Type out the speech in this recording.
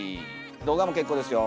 動画も結構ですよ。